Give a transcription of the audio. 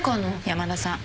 山田さん